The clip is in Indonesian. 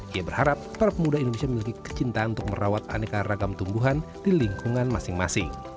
dia berharap para pemuda indonesia memiliki kecintaan untuk merawat aneka ragam tumbuhan di lingkungan masing masing